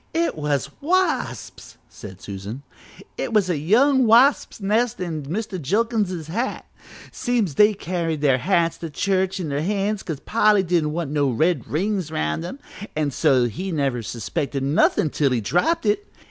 "It was wasps!" said Susan, "it was a young wasps' nest in Mr. Jilkins's hat. Seems they carried their hats to church in their hands 'cause Polly didn't want no red rings around 'em, an' so he never suspected nothin' till he dropped it.